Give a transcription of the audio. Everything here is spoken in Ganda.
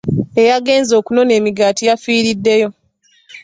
Eyagenze okunona emigaati yafiiriddeyo?